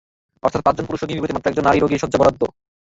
অর্থাৎ পাঁচজন পুরুষ রোগীর বিপরীতে মাত্র একজন নারী রোগীর শয্যা বরাদ্দ।